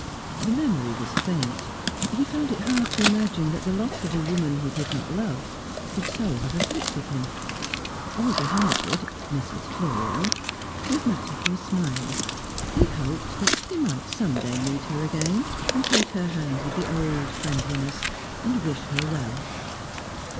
The memory was faint; he found it hard to imagine that the loss of a woman he did not love could so have afflicted him. Olga Hannaford Mrs. Florio was matter for a smile; he hoped that he might some day meet her again, and take her hand with the old friendliness, and wish her well.